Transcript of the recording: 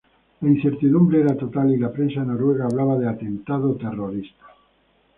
La incertidumbre era total y la prensa noruega hablaba de atentado terrorista.